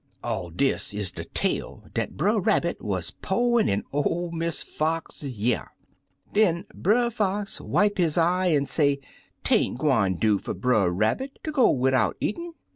(All dis is de tale dat Brer Rabbit wuz po'in' in ol' Miss Fox' y'ear.) Den Brer Fox wipe his eye an' say 'tain't gwine do fer Brer Rabbit ter go widout eatin'.